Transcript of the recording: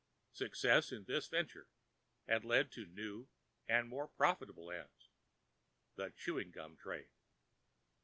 Success in this venture had led to new and more profitable fields—the chewing gum trade.